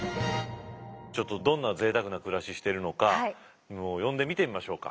ちょっとどんなぜいたくな暮らししてるのかもう呼んで見てみましょうか？